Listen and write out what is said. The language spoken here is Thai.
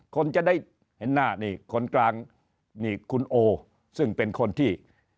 คนจะได้เห็นหน้านี่คนกลางนี่คุณโอซึ่งเป็นคนที่